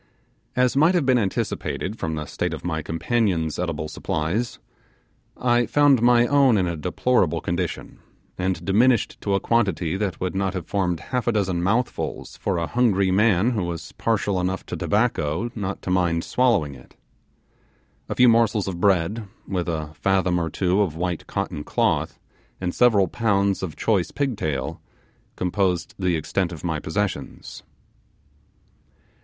As might have been anticipated from the state of my companion's edible supplies, I found my own in a deplorable condition, and diminished to a quantity that would not have formed half a dozen mouthfuls for a hungry man who was partial enough to tobacco not to mind swallowing it. A few morsels of bread, with a fathom or two of white cotton cloth, and several pounds of choice pigtail, composed the extent of my possessions.